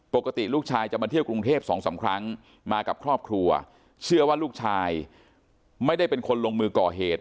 ปกติลูกชายจะมาเที่ยวกรุงเทพ๒๓ครั้งมากับครอบครัวเชื่อว่าลูกชายไม่ได้เป็นคนลงมือก่อเหตุ